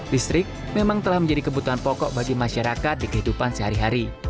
listrik memang telah menjadi kebutuhan pokok bagi masyarakat di kehidupan sehari hari